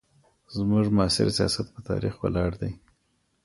زموږ معاصر سیاست په تاریخ ولاړ دی.